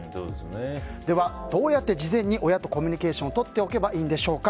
では、どうやって事前に親とコミュニケーションを取っておけばいいんでしょうか。